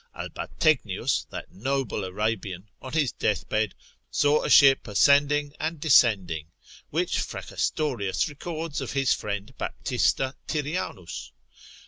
Albategnius that noble Arabian, on his death bed, saw a ship ascending and descending, which Fracastorius records of his friend Baptista Tirrianus.